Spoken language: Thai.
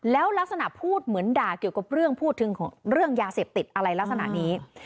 แล้วลักษณะพูดเหมือนด่าเกี่ยวกับเรื่องพูดถึงเรื่องยาเสพติดอะไรลักษณะนี้